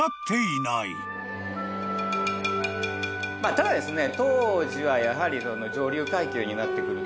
ただですね。